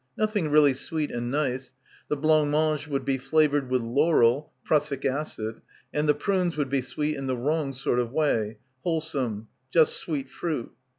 Nothing really sweet and nice — the blancmange would be flavoured with laurel — prussic acid — and the prunes would be sweet in the wrong sort of way — wholesome, just sweet fruit.